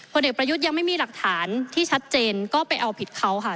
เด็กประยุทธ์ยังไม่มีหลักฐานที่ชัดเจนก็ไปเอาผิดเขาค่ะ